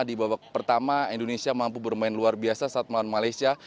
di babak pertama indonesia mampu bermain luar biasa saat melawan malaysia